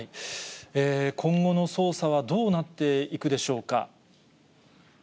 今後の捜査はどうなっていくでしょうか。